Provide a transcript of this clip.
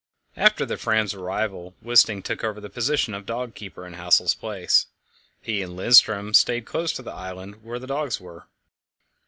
After the Fram's arrival Wisting took over the position of dog keeper in Hassel's place. He and Lindström stayed close to the island where the dogs were.